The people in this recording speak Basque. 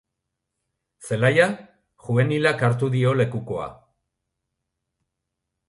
Zelaia jubenilak hartu dio lekukoa.